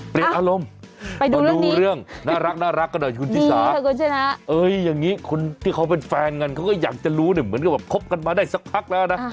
เปลี่ยนอารมณ์ไปดูเรื่องน่ารักกันนะคุณธิสาอย่างนี้ที่เขาเป็นแฟนกันเขาก็อยากจะรู้เนี่ยเหมือนกับครบกันมาได้สักพักแล้วนะ